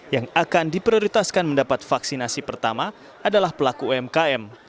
yang akan diprioritaskan mendapat vaksinasi pertama adalah pelaku umkm